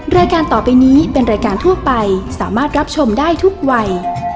รายการต่อไปนี้เป็นรายการทั่วไปสามารถรับชมได้ทุกวัย